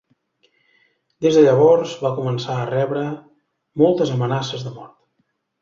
Des de llavors, va començar a rebre moltes amenaces de mort.